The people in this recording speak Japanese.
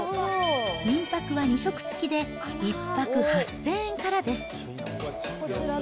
民泊は２食付きで１泊８０００円からです。